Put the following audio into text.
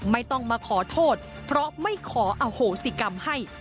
ไม่ต้องมาขอโทษเพราะไม่ขออโหสิกรรมให้